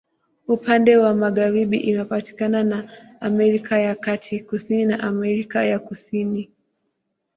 Upande wa magharibi imepakana na Amerika ya Kati, kusini na Amerika ya Kusini.